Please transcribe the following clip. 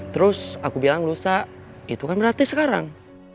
terus aku bilang lusa itu kan berarti sekarang